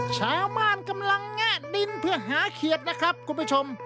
ชาวบ้านกำลังแงะดินเพื่อหาเขียดนะครับคุณผู้ชม